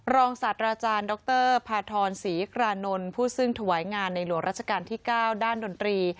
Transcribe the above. ศาสตราจารย์ดรพาทรศรีกรานนท์ผู้ซึ่งถวายงานในหลวงราชการที่๙ด้านดนตรี